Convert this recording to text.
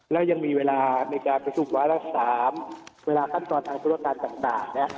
และยังมีเวลาในการประชุมวัลที่๓เวลาคันกรทางธุรกรรมต่างนะ